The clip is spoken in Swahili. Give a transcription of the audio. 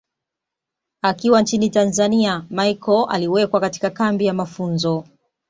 Akiwa nchini Tanzania Machel aliwekwa katika kambi ya mafunzo